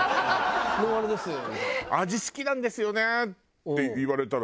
「味好きなんですよね」って言われたら。